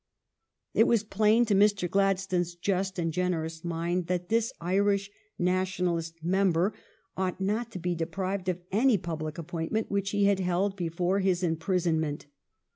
It was plain to Mr. Gladstone's just and generous mind that this Irish Nationalist member ought not to be deprived of any public appointment which he had held be fore his imprisonment.